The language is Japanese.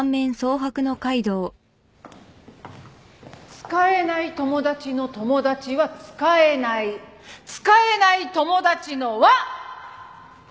使えない友達の友達は使えない使えない友達の輪！